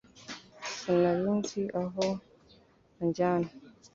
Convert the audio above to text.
Sinari nzi aho anjyana